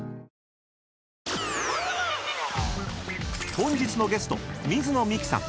［本日のゲスト水野美紀さん］